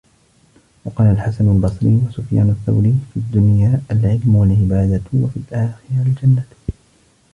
وَقَالَ الْحَسَنُ الْبَصْرِيُّ وَسُفْيَانُ الثَّوْرِيُّ فِي الدُّنْيَا الْعِلْمُ وَالْعِبَادَةُ وَفِي الْآخِرَةِ الْجَنَّةُ